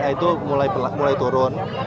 itu mulai turun